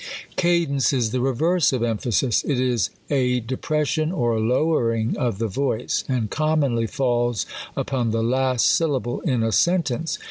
Cadence is the reverse of emphasis. It is a depres sion or lowering of the voice ; and commonly falls up on the last syllable in a sentence.